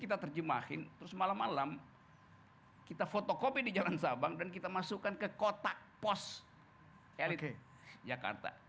kita terjemahin terus malam malam kita fotokopi di jalan sabang dan kita masukkan ke kotak pos elit jakarta